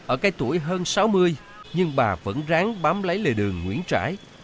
ở cái tuổi hơn sáu mươi nhưng bà vẫn ráng bám lấy lệ đường nguyễn trãi